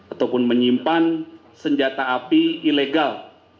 ataupun menyimpan senjata api ilegal